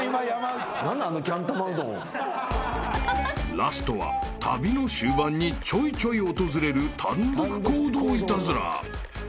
［ラストは旅の終盤にちょいちょい訪れる単独行動イタズラ］